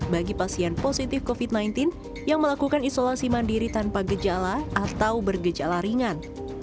bagi pasien positif covid sembilan belas yang melakukan isolasi mandiri tanpa gejala atau bergejala ringan